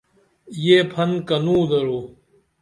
یہ پھن کنو درو؟